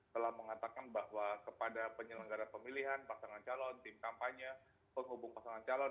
telah mengatakan bahwa kepada penyelenggara pemilihan pasangan calon tim kampanye penghubung pasangan calon